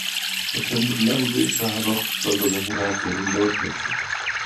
د تیمور لنګ زوی شاهرخ دلته د هرات زرین دور پیل کړ